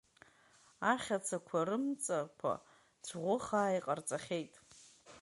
Ахьацақәа рымҵақәа цәӷәыхаа иҟарҵахьеит.